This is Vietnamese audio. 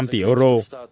bốn năm tỷ euro